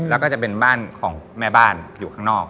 แล้วก็จะเป็นบ้านของแม่บ้านอยู่ข้างนอก